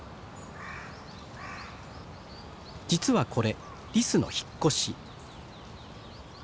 実はこれリスの引っ越し。